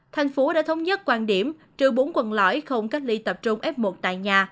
thành phố đã thống nhất quan điểm trừ bốn quận lõi không cách ly tập trung f một tại nhà